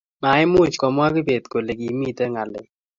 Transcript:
maimuch komwaa kibet kole kimiten ngalek